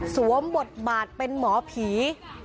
สวมบทบาทเป็นหมอผี